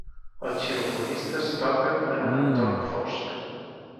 Els xilofonistes toquen en un entorn fosc.